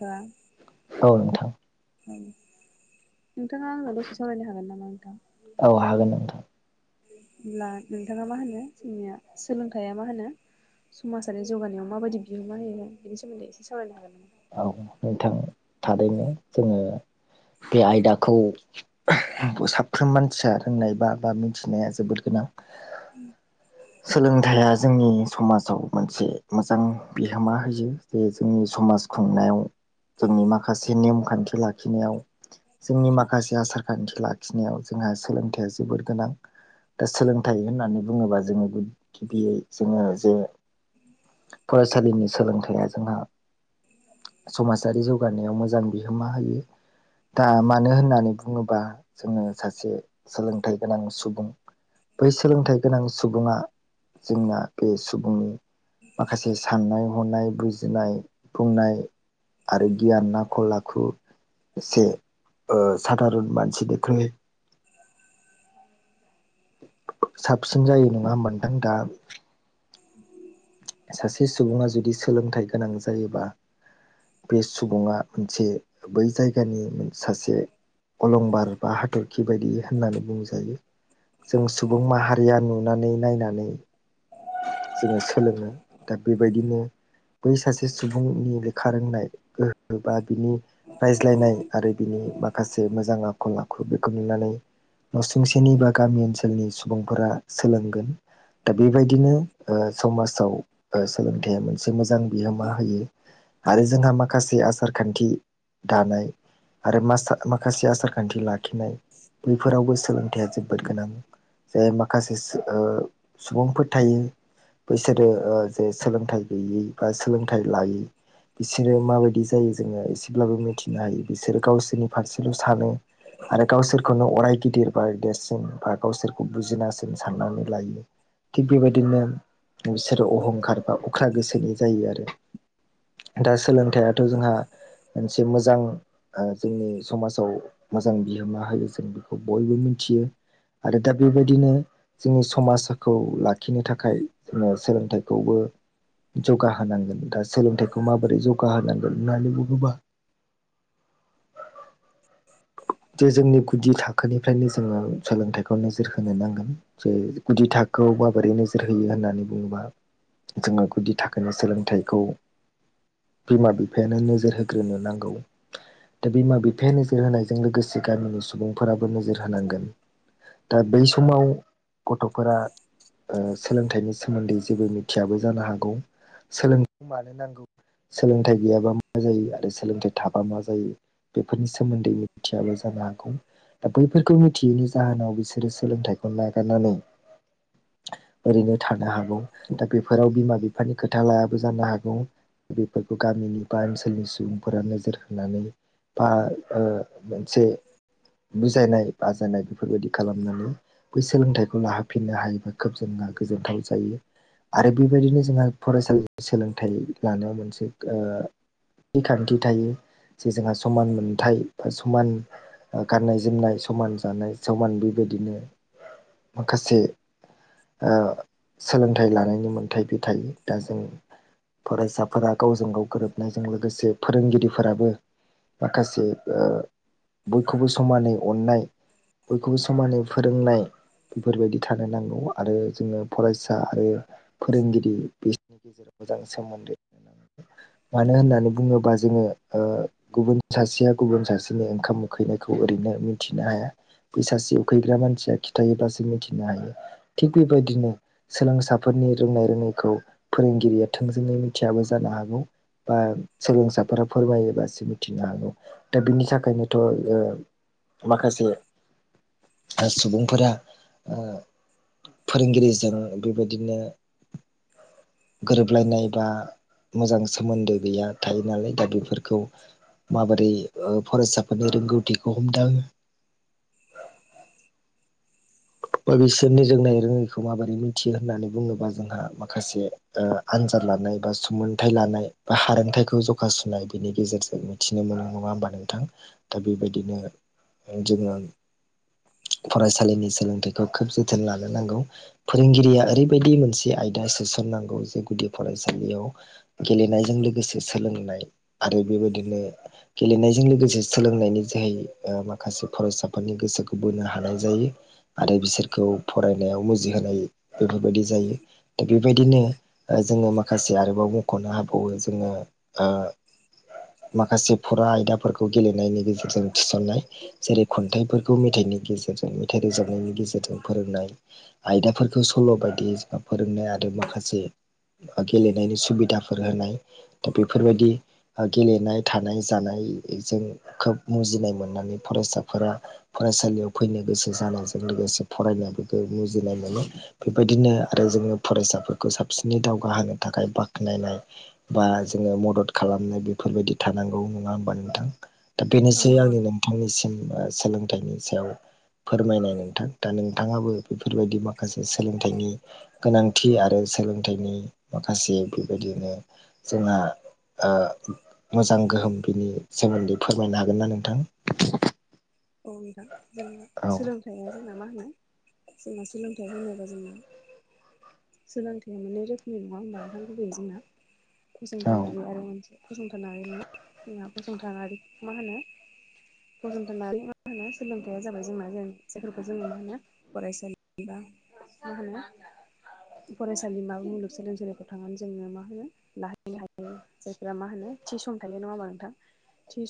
दा औ नोंथां औ नोंथाङा आंनाव दसे सावरायनो हागोन नामा नोंथां? औ हागोन नोंथां बि होमब्ला नोंथाङा मा होनो जोंनिया सोलोंथाइया मा होनो समाजारि जौगानायाव माबायदि बिहोमा होयो बे सोमोन्दै एसे सावरायनो हागोन नामा? औ नोंथां थादैनो जोङो बे आयदाखौ साफ्रोम मानसिया रोंनाय बा बा मिथिनाया जोबोद गोनां। सोलोंथाइया जोंनि समाजाव मोनसे मोजां बिहोमा होयो जे जोंनि समाज खुंनायाव जोंनि माखासे नेम खान्थि लाखिनायाव जोंनि माखासे आसार खान्थि लाखिनायाव जोंहा सोलोंथाइया जोबोर गोनां दा सोलोंथाइ होननानै बुङोबा जोङो गिबियै जोङो जे फरायसालिनि सोलोंथाइया जोंहा समाजारि जौगानायाव मोजां बिहोमा होयो। दा मानो होननानै बुङोबा जोङो सासे सोलोंथाइ गोनां सुबुं बै सोलोंथाइ गोनां सुबुङा जोंना बे सुबुंनि माखासे साननाय हनाय बुजिनाय बुंनाय आरो गियान आखल आखु ओ साधारन मानसिनिख्रुइ साबसिन जायो नङा होमबा नोंथां? सासे सुबुङा जुदि सोलोंथाइ गोनां जायोबा बे सुबुङा मोनसे बै जायगानि सासे अलंबार बा हाथरखि बायदि होननानै बुंजायो। जों सुबुं माहारिया नुनानै नायनानै जोङो सोलोंनाय दा बेबायदिनो बै सासे सुबुंनि लेखा रोंनाय गोहो बा बिनि रायज्लायनाय आरो बिनि माखासे मोजां आखल आखु बेखौ नुनानै नसुंसेनि बा गामि ओनसोलनि सुबुंफोरा सोलोंगोन दा बेबायदिनो समाजाव सोलोंथाइया मोनसे मोजां बिहोमा होयो आरो जोंहा माखासे आसार खान्थि दानाय आरोास माखासे आसार खान्थि लाखिनाय बैफोरावबो सोलोंथायाइया जोबोद गोनां जाय माखासे सुबुंफोर थायो बैसोरो जे सोलोंथाइ गैयै बा सोलोंथाइ लायै बिसोरो माबायदि जायो ज एसेब्लाबो मिथिनो हायो बिसोर गावसोरनि फारसेल' सानो आरो गावसोर बेखौनो अराय गिदिर बा देरसिन बा गावसोरखौ बुजिनासिन साननानै लायो थिग बेबायदिनो बिसोरो अहंखार बा अख्रा गोसोनि जायो आरो। दा सोलोंथाइआाथ' जोंहा मोनसे मोजां जोंनि समाजाव मोजां बिहोमा होयो जों बेखौ बयबो मिथियो। आरो दा बेबायदिनो जोंनि समाजखौ लाखिनो थाखाय सोलोंथखौबो जगाहोनांगोन दा सोलोंथाइखौ माबोरै ज गाहनांग नलिवोगोब जे जोंनि गुदि थाखोनिफ्रायनो जोङो सोलोंथाइखौ नोजोर होनो नांगोन जे गुदि थ खौ माबोरै नोजोर होयो होननानै बुङोबा जोङो गुदि थाखनो सोलोंथाइखौ बिमा बिफायानो नोजोर होग्रोनो नांगौ दा बिमा बिफाया नोजोर नोजोर होनायजों लोगोसे गामिनि सुबुंफोराबो नोजोर होनांगोन दा बै समाव गथ'फोरा सोलोंथाइनि सोमोन्दै जेबो मिथियाबो जानो हागौ सोलोंथाइखौ मानो नांगौ सोलोंथाइ गैयाबा मा जायो आरो सोलोंथाइ थाबा मा जायो बेफोरनि सायाव सोमोन्दै मिथियाबो जानो हागौ दा बैफोरखौ मिथियैनि जाहोनाव बिसोरो सोलोंथाइखौ नागारनानै ओरैनो थानो हागौ दा बेफोराव बिमा बिफानि खोथा लायाबो जानो हागौ बेफोरखौ गामिनि बा ओनसोलनि सुबुंफोरा नोजोर होनानै बा मोनसे बुजायनाय बाजायनाय बेफोरबायदि खालामनानै बै सोलोंथाइखौ लाहोफिननो हायोबा खोब जोंना गोजोनथाव जायो आरो बेबायदिनो जोंहा फरायसालि सोलोंथाइ लानायाव मोनसे बि खान्थि थायो जे जोंहा समान मोन फिथाइ बा समान गाननाय जोमनाय समान जानाय समान बेबायदिनो मासे सोलोंथाइ लानायनि मोन्थाय बे थायो दा जों फरायसाफोरा गावजों गाव गोरोबनायजों लोगोसे फोरोंगिरिफोराबो माखासे बयखौबो समानै अननाय बयखौबो समानै फोरोंनाय बेफोरबायदि थानो नांगौ आरो जोङो फरायसा आरो फोरोंगिरि बिनि गेजेराव मोजां सोमोन्दो मानो होननानै बुङोबा जोङो गुबुन सासेया गुबुन सासेनि ओंखाम उोखैनायखौ ओरैनो मिन्थिनो हाया ब ससे उखैग्रा मानसिया खिथायोब जों मिथिनो हायो थिग बेबायदिनो सोलोंसाफोरनि रोंनाय रोङैखौ फोरोंगिरिया थोंजोङै मिथियाबो जानो हागौ बा सोलोंसाफोरा फोरमायोबासो मिथिनो हागौ दा बिनि थाखायनोथ' माखासे सुबुंफोरा फोरोंगिरिजों बेबायदिनो गोरोबलायनाय बा मोजां सोमोन्दो गैया थायो नालाय दा बेफोरखौ माबोरै फरायसाफोरनि रोंगौथिखौ हमदों बा बिसोरनि रोंनाय रोङैखौ माबोरै मिथियो होननानै बुङोबा जोंहा माखासे आनजाद लानाय बा सुमथाइ लानाय बा हारोंथाइखौ जगासुनाय बिनि गेजेरजों मिथिनो मोननाय नङा होमबा नोंथां दा बेबायदिनो जोङो फरायसालिनि सोलोंथाइखौ खोब जोथोन लानो नांगौ। फोरोंगिरिया ओरैबायदि मोनसे आयदा सोसननांगौ जे गुदि फरायसालियाव गेलेनायजों लोगोसे सोलोंनाय आरो बेबायदिनो गेलेनायजों लोगोसे सोलोंनायनि जोहै माखासे फरायसाफोरनि गोसोखौ बोनो हानाय जायो। आरो बिसोरखौ फरायनायाव मुजिहोनाय बेफोरबायदि जायो दा बेबायदिनो जोङो माखासे आरोबाव ख'नो हाबावो जोङो माखासे फरा आयदाफोरखौ गेलेनायनि गेजेरजों थिसनाय जेरै खन्थाइफोरखौ मेथाइनि गेजेरजों मेथाइ रोजाबनाय गेजेरजों फोरोंनाय आयदाफोरखौ सल' बायदि जोङो फोरोंनाय आरो माखासे गेलेनायनि सुबिदाफोर होनाय दा बेफोरबायदि गेलेनाय थानाय जानायजों खोब मुजिनाय मोननानै फरायसाफोरा फरायसालियाव फैनो गोसो जानायजों लोगोसे फरायनायाबो मुजिनाय मोनो। बेबायदिनो आरो जोङो फरायसाफोरखौ साबसिनै दावगाहोनो थाखाय बाख्नायनाय बा जोङो मदद खालामनाय बेफोरबायदि थानांगौ नङा होमबा नोंथां। दा औ बेनोसै नंगौ आंनि नोंथांनिसिम सोलोंथाइनि सायाव फोरमायनाय था दा नोंथाङाबो बेफोरबायदि माखासे सोलोंथाइनि गोनांथि आरो सोलोंथाइनि माखासे बेबायदिनो जोंना मोजां गोहोम बिनि सोमोन्दै फोरमायनो हागोनना नोंथां? औ नोंथां जोङो सोलों औ सोलोंथाया जोंना मा होनो जोंना सोलोंथाइ होनोबा जोंना सोलोंथाया मोननै रोखोमनि नङा होमबा नोंथां गुबैयै जोंना औ फसंथान आरो मोनसे फसंथानारि जोंहा फसंथानारि मा होनो फसंथानारि मा होनो सोलोंथाइया जाबाय जोंना जाय जायफोरखौ जोङो मा होनो फरायसालि बा ना होनो फरायसालि माबा मुलुगसोलोंसालिफ्राव थांनानै जोङो मा होनो लाहैनो हायो। जायफोरा मा होनो थि सम थायो नङा होमबा नोंथां थि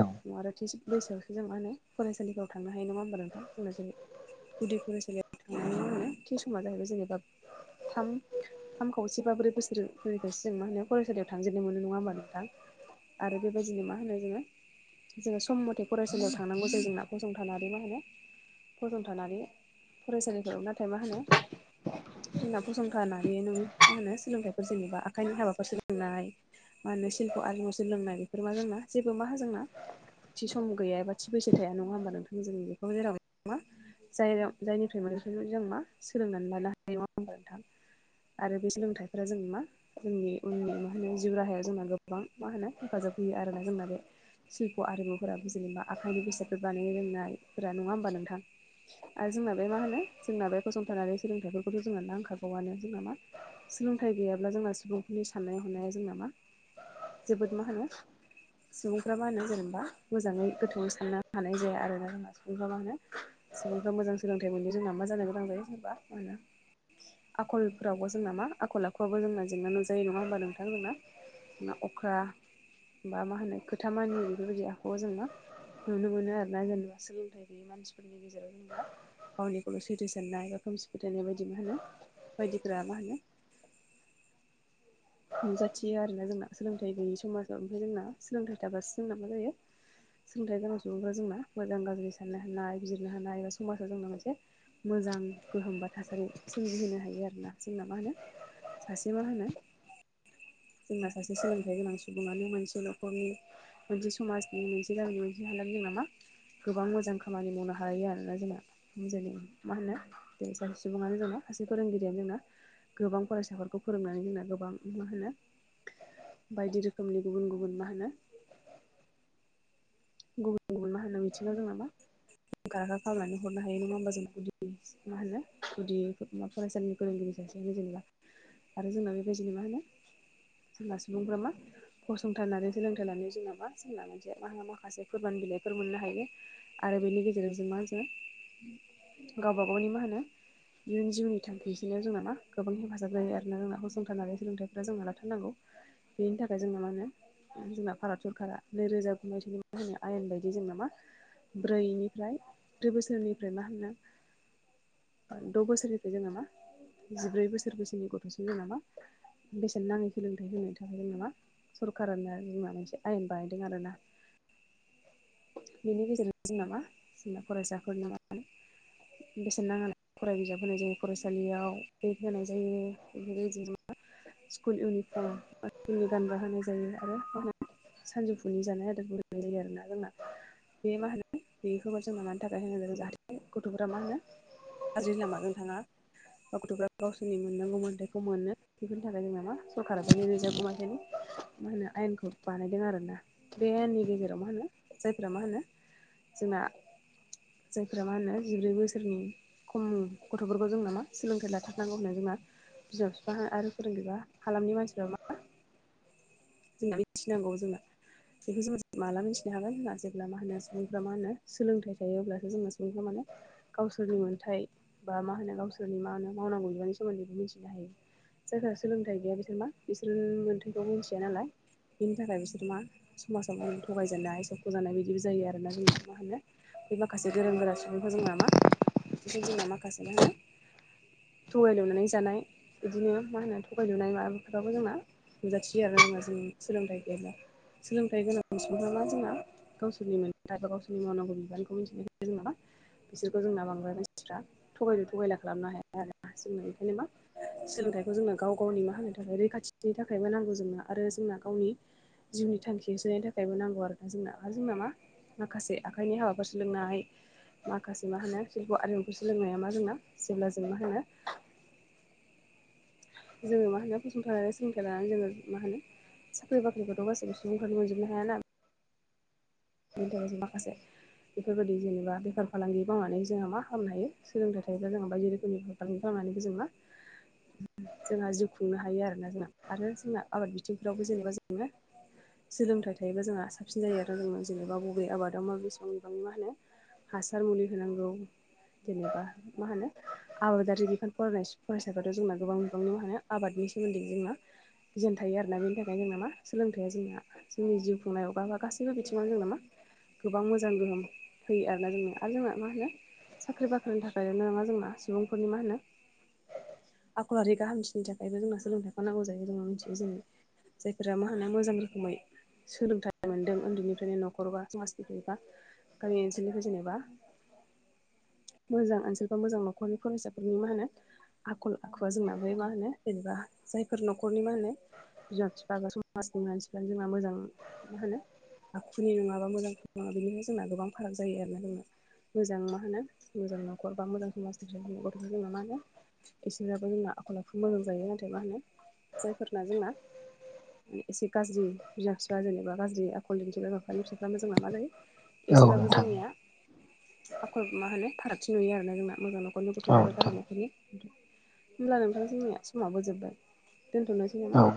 औ आरो थिस बैसोआवसो जों मा होनो फरायसालिफोराव थांनो हायो नङा होमबा नोंथां [unintelligible] गुदि फरायसालियाव थांनायनि मा होनो थि समा जाहैबाय जेनेबा थाम थाम खावसे बा ब्रै बोसोरनिफ्रायसो जों मा होनो फरायसालियाव थांजेननो मोनो नङा होमबा नोंथां। आरो बेबायदिनो मा होनो जोङो जोङो सम मथे फरायसालियाव थांनांगौ जायो जोंना फसंथानारि मा होनो फसंथानारि फरायसालिफोराव नाथाय मा होनो जोंना फसंथानारि नों मा होनो सोलोंथाइ जेनेबा आखाइनि हाबाफोर सोलोंनाय मा होनो सिल्प आरिमु सोलोंनाय बेफोर मा जोंना जेबो मा जोंना थि सम गैया एबा थि बैसो थाया नङा होमबा नोंथांमोन जों बेखौ जेरावहाय मा जाय जायनिफ्राय मोनै जों मा सोलोंनानै लानो हायो नङा होनबा नोंथां। आरो बे सोलोंथाइफोरा जोंनि मा जोंनि उननि मा होनो जिउ राहायाव जोंना गोबां मा होनो हेफाजाब होयो आरोना जोंना बे शिल्फ आरिमुफोराबो जेनेबा आखाइनि बेसादफोर बानायनो रोंनायफोरा नङा होमबा नोंथां आरो जोंना बे मा होनो जोंना बे फसंथानारि सोलोंथाइफोरखौथ' जोंना नांंखागौआनो जोंना मा सोलोंथाइ गैयाब्ला जोंना सुबुंफोरनि साननाय हनाया जोंना मा जोबोद मा होनो सुबुंफ्रा मा होनो जेनेबा मोजाङै गोथौैयै साननो हानाय जाया आरोना जोंना संजा मा होनो सुबुंफ्रा मोजां सोलोंथाइ मोननो रोङा मा जानो गोनां जायो [unintelligible] मा होनो आखलफोरावबो जों नामा आखल आखुवाबो जोंना जेंना नुजायो नङा होमबा नोंथां जोंना। अख्रा बा मा होनो खोथा मानियि बेफोरबायदि आखुआव जोङो मा नुनो मोनो आरोना जेनेबा सोलोंथाइ गैयि मानसिफोरनि गेजेराव जेनेबा गावनिखौल' सैथो साननाय बा खोमसि फोथायनाय बायदि मा होनो बायदिगफ्रा मा होनो नुजाथियो आरोना जोंना सोलोंथाइ गैयि समाजाव ओमफ्राय जोंना सोलोंथाइ थाबासो जोंना मा जायो सोलोंथाइ गोनां सुबुंफोरा जोंना मोजां गाज्रि साननो हानाय बिजिरनो हानाय एबा समाजाव जोंना मोनसे मोजां गोहोम बा थासारि सोमजिहोनो हायो आरोना जोंना मा होनो सासे मा होनो जोंना सासे सोलोंथाइ गोनां सुबुङानो मोनसे नख'रनि मोनसे समाजनि मोनसे गामिनि मोनसे हालाम दं नामा गोबां मोजां खामानि मावनो हालायो आरोना जोंना [unintelligible] मा होनो बे सासे सुबुङानो जोंना सासे फोरोंगिरियानो जोंना गोबां फरायसाफोरखौ फोरोंनानै जोंना गोबां मा होनो बायदि रोखोमनि गुबुन गुबुन मा होनो गुबुन गुबुन मा होनो मिथिंआव जोंना मा रोंखा राखा खालामनानै हरनो हायो नङा होमबा जों [unintelligible] मा होनो गुदि मा फरायसालिनि फोरोंगिरि जासे जेनेबा आरो जोंना बेबायदि मा होनो जानबा सुबुंफोरा मा गसंथानानै सोलोंथाइ लानो जोंनाबा जों जो माखासे फोरमान बिलाइफोर मोननो हायो। आरो बेनि गेजेरजों मा होन जो गावबा गावनि मा होनो इयुन जिउननि थांखि सलिायाव जोंना ना गोबां हेफाजाब जायो आरोना जोंनाखौ जों नानै सोलोंथाइफ्रा जोंना लाथारनांगौ बेनि थाखाय जोंङो मा होनो जोंना भारत सरकारा नैरोजा गु मायथायनि मा होनो आयेन बायदि जोंना मा ब्रैनिफ्राय ब्रै बोसोरनिफ्राय मा होनो ओ द' बोसोरनिफ्राय जों नामा जिब्रै बोसोर बैसोनि गथ'सिम जों नामा बेसेन नाङै सोलोंथाइ होनायनि थाखाय जेनेबा सरखारानो माबा मोनसे आयेन बायदों आरोना [inaudible] बेनि गेजेरजों जोंनाामा जोंना फरायसाफोर नामा बेसेन नाङा फराय बिजाब होनाय जायो फरायसालियाव बेट होनाय जायो बेफोरबायदि स्कुल इउनिफर्म स्कुलनि गानगा होनाय जायो आरो सानजौफुनि जानाय आदार होननाय जायो आरोना जोंना बे मा होनो बेखौ जोंना मानि थाखाय होन जाहाथे गथ'फोरा मा होनो गाज्रि लामाजों थाङा गथ'फ्रा गावसोरनि मोननांगौ मोन्थायखौ मोनो बेफोरनि थाखाय जों नामा सरकारा बेनोजोरखौमायथायनि मा होनो आयेनखौ बानायदों आरोना बे आयेननि गेजेराव मा होनो जायफ्रा मा होनो जोंना जायफोरा मा होनो जिब्रै बोसोरनि खम गथ'फोरखौ जों नामा सोलोंथाइ लाथारनांगौ होननाय जोंना बिमा बिफा आरो फोरोंगिरिबा हालामनि मानसिफ्रा मा जोंना मिथिनांगौ जोंनो बेखौ जो माला मिथिनो हागोन होनना जेब्ला मा होनो सुबुंफ्रा मा होनो सोलोंथाइ थायो अब्लासो जोङो सुबुंफ्रा गावसोरनि मोन्थथाय बा मा होनो गावसोरनि मा होनो मावनांगौ बिबारनि सोमोन्दैबो मिथिनो हायो। जायफ्रा सोलोंथाइ गैया बिसोर मा बिसोर मोनथायखौ मिथिया नालाय बिनि थाखाय बिसोर मा समाजाव माने थगायजेननो सबख जानाय बायदिबो जायो आरोना जोंना मा होनो बे माखासे गोरों गोरा सुबुंखौ जोंना मा जोंना माखासे मा होनो थगाय लायनानै जानाय बिदिनो मा होनो थगायजुनाय माबाफोराबो जोंना नुजाथियो आरो जोङो जों सोलोंथाइ गैला सोलोंथाइ गोनां सुबुंफा जोंना गावसोरनि मोन बा गावसोरनि मावनांगौ बिबानखौ मिथिनो हायो जों नामा बिसोरखौ जोंना बांद्राय मानसिफ्रा थगायनो थगायला खालामनो हाया आरो जोंनो बेंखायनो मा सोलोंथाइ खौ जोंनो गाव गावनि मा होनो थाखाय रैखाथिनि थाखायबो नांगौ जोंनो आरो जोंना गावनि जिउनि थांखियाव सोनायनि थाखायबो नांगौ आरो ना जोंना आरो जोंना मा माखासे आखाइनि हाबाफोर सोलोंनानैहाय माखासे मा होनो सोरबा आरिमुखौ सोलोंनाया मा जोंना जेब्ला जों मा होनो जोङो मा होनो गसंथानानानै सोलोंथाइ लानानै जोङो मा होनो साख्रि बाख्रिखौथ' गासैबो सुबुंफ्रानोनो मोनजोबनो हाया ना बेनि थाखाय माखासे बेफोरबायदि जेनेबा बेफार फालांगि मावनानै जोङो मा खालामनो हायो सोलोंथाइ थायोब्ला जों बायदि रोखोमनि [unintelligible] जोंहा जिउ खुंनो हायो आरोना जोंना आरो जोंना आबाद बिथिंफ्रावबो जेनेबा जोङो सोलोंथाइ थायोबो जोंहा साबसिन जायो आरो जों जेनेबा बबे आबादाव मा बेसेबां बिबांनि मा होनो हासार मुलि होनांगौ जेनेबा मा होनो आबादारि बिफान फरायनाय फरायसाफ्राथ जोंना गोबां बिबांनि मानो आबादनि सोमोन्दै जोंना गोजोन थायो आरोना बेनि थाखाय जों ना‌ मा सोलोंथाइया जोंनिया जोंनि जिउ खुंनाय बा मा गासैबो बिथिङाव जोंना मा गोबां मोजां गोहोम होयो आरोना जोंनो आरो जोंना मा होनो? साख्रि बाख्रिनि थाखायल नङा जोंना सुबुंफोरनि मा होनो? आखलरारि गाहामथिनि थाखायबो जोंना सोलोंथाइफानांगौ जायो जोंना मिथियो जेरै जायफोरा मा होनो मोजां रोखोमै सोलोंथाइ मोनदों उन्दैनिफ्रा जोंनि नखर बा समाजनि बा गामि ओनसोलनिफ्राय जेनेबा मोजां ओनसोल बा मोजां नखरनि फरायसाफोरनि मा होनो? आखल आखुआ जोंना बै मा होनो जेनेबा जायफोर नखरनि मा होनो? बिमा बिफा समाजनि मानसिफ्रानो जोंना मोजां मा होनो? आखुनि नङाबा मोजांफोर नङा बेनिखाय जोंना गोबां फाराग जायो आरोना जोंना मोजां मा होनो मोजां नखर बा मोजां समाज सलिनाय गथफोरा जोंना मा होनो? इसोराबो जोंना आखल आखु मोजां जायो नाथाय मा होनो जायफोरना जोंना म एसे गाज्रि बिमा फिफा जेनेबा गाज्रि‌ आ कलनि बिमानि फिफानि‌ फिसाफ्रा नो जोंना मा जायो औ एसेबाबो नोंथां जोंनिया आखल मा होनो फारागथि नुयो आरोना जोंना मोजां नखरनि गथ‌ औ आरो गाज्रि नोंथां नख होमब्ला नोंथां जोंनिया समाबो जोबबाय दोनथ'नोसै नामा? औ